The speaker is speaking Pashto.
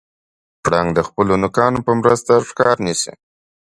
پړانګ د خپلو نوکانو په مرسته ښکار نیسي.